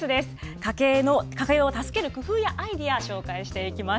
家計を助ける工夫やアイデア、紹介していきます。